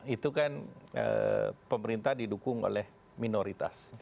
itu kan pemerintah didukung oleh minoritas